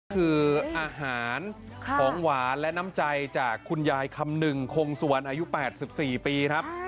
คืออาหารของหวานและน้ำใจจากคุณยายคำหนึ่งคงสุวรรณอายุ๘๔ปีครับ